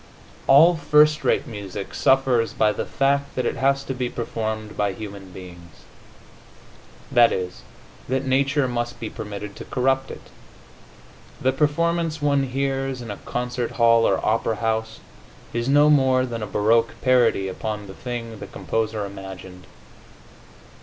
All first rate music suffers by the fact that it has to be performed by human beings that is, that nature must be permitted to corrupt it. The performance one hears in a concert hall or opera house is no more than a baroque parody upon the thing the composer imagined.